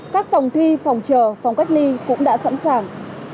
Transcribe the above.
các phòng thi phòng chờ phòng cách ly cũng đã sẵn sàng